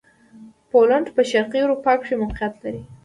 پولېنډ په شرقي اروپا کښې موقعیت لري.